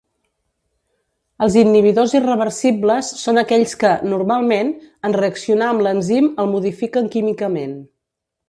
Els inhibidors irreversibles són aquells que, normalment, en reaccionar amb l'enzim el modifiquen químicament.